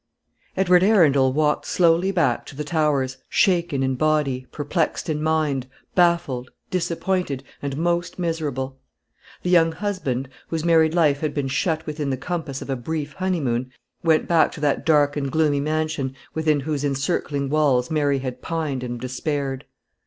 Edward Arundel walked slowly back to the Towers, shaken in body, perplexed in mind, baffled, disappointed, and most miserable; the young husband, whose married life had been shut within the compass of a brief honeymoon, went back to that dark and gloomy mansion within whose encircling walls Mary had pined and despaired.